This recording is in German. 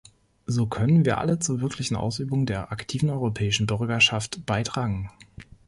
So können wir alle zur wirklichen Ausübung der aktiven europäischen Bürgerschaft beitragen.